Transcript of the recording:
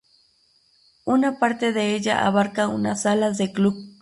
Una parte de ella abarca unas salas de club.